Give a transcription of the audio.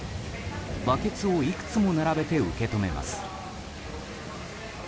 バケツをいくつも並べて受け止めます。